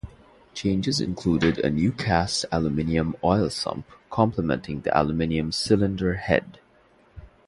Changes included a new cast aluminium oil sump, complementing the aluminium cylinder head.